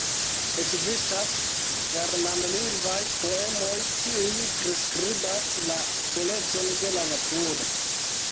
Ekzistas germanlingvaj poemoj, kiuj priskribas la belecon de la naturo.